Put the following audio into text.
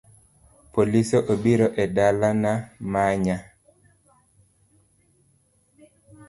Polise obiro e dalana manya